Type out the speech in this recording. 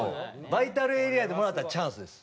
バイタルエリアでもらったらチャンスです。